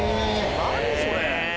何それ。